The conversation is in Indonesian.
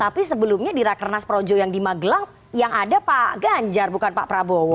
tapi sebelumnya di rakernas projo yang di magelang yang ada pak ganjar bukan pak prabowo